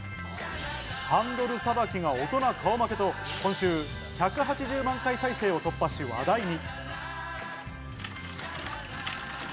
ハンドルさばきが大人顔負けと、今週１８０万回再生を突破し話題に。